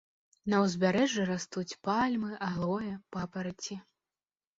На ўзбярэжжы растуць пальмы, алоэ, папараці.